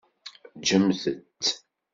Ǧǧemt-t.